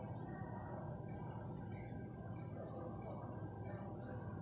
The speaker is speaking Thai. มีเวลาเมื่อเวลาเมื่อเวลา